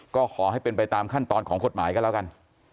ก็ขอให้เป็นไปตามขั้นตอนของกฎหมายก็แล้วกัน